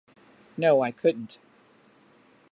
No, I couldn't.